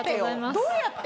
どうやって？